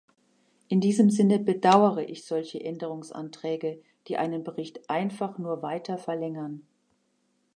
In diesem Sinne bedauere ich solche Änderungsanträge, die einen Bericht einfach nur weiter verlängern.